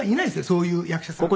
そういう役者さん。